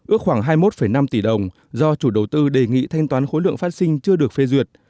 ước khoảng hai mươi một năm tỷ đồng do chủ đầu tư đề nghị thanh toán khối lượng phát sinh chưa được phê duyệt